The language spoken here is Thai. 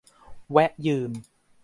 แวะยืม